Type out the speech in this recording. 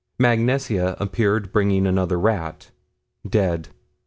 Mag Nesia appeared bringing another rat, dead.